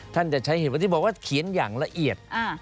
จะใช้เหตุผลที่บอกว่าเขียนอย่างละเอียด